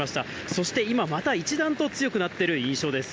そして今、また一段と強くなっている印象です。